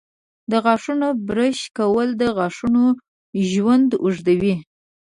د غاښونو برش کول د غاښونو ژوند اوږدوي.